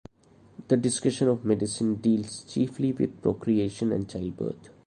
The discussion of medicine deals chiefly with procreation and childbirth.